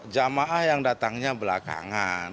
jamaah yang datangnya belakangan